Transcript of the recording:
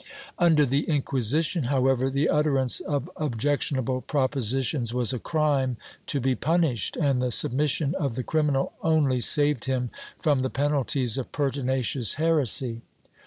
Under the Inquisition, however, the utterance of objectionable propositions was a crime to be punished, and the submission of the criminal only saved him from the penalties of pertinacious heresy.